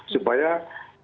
supaya kaum perempuan